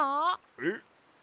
えっ？